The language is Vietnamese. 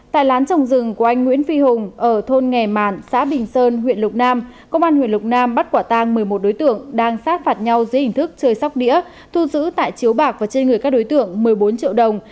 tại lán trồng rừng của anh nguyễn phi hùng ở thôn nghè màn xã bình sơn huyện lục nam công an huyện lục nam bắt quả tang một mươi một đối tượng đang sát phạt nhau dưới hình thức chơi sóc đĩa thu giữ tại chiếu bạc và trên người các đối tượng một mươi bốn triệu đồng